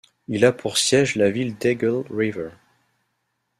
Il a pour siège la ville d'Eagle River.